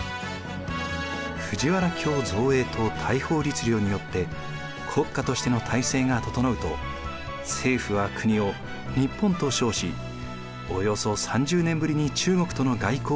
藤原京造営と大宝律令によって国家としての体制が整うと政府は国を「日本」と称しおよそ３０年ぶりに中国との外交を再開。